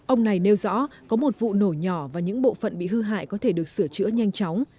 ông này nêu rõ có một vụ nổ nhỏ và những bộ phận bị hư hại có thể được sửa chữa nhanh chóng